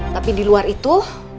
tapi di luar itu